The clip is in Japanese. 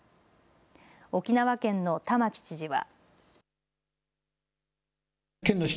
沖縄県の玉城知事は。